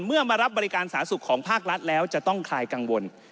มารับบริการสาธารณสุขของภาครัฐแล้วจะต้องคลายกังวล